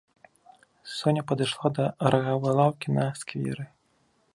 Соня падышла да рагавой лаўкі на скверы.